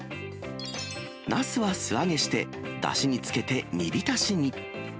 ナスは素揚げして、だしに漬けて煮浸しに。